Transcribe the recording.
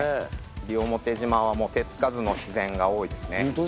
西表島は手付かずの自然が多いですね。